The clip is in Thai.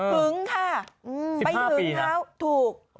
หึ้งค่ะไปหึ้งครับถูก